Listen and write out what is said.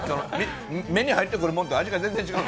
目に入ってくるものと、味が全然違う。